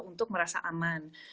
untuk merasa aman